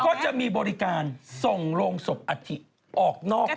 ก็จะมีบริการส่งลงศพอัตภิกษ์ออกนอกโลก